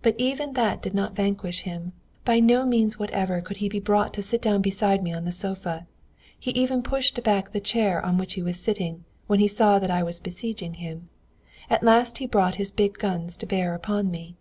But even that did not vanquish him. By no means whatever could he be brought to sit down beside me on the sofa. He even pushed back the chair on which he was sitting, when he saw that I was besieging him. At last he brought his big guns to bear upon me.